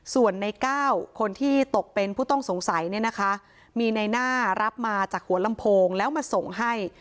ส่วนใน๙คนที่ตกเป็นผู้ต้องสงสัยเนี่ยนะคะมีในหน้ารับมาจากหัวลำโพงแล้วมาส่งให้